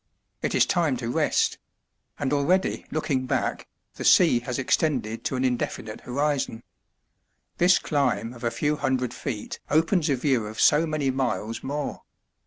It is time to rest; and already, looking back, the sea has extended to an indefinite horizon. This climb of a few hundred feet opens a view of so many miles more.